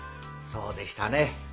そうでしたねえ。